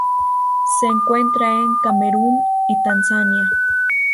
Se encuentra en Camerún y Tanzania.